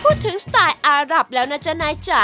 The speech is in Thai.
พูดถึงสไตล์อาหลับแล้วนะจ๊ะนายจ๊ะ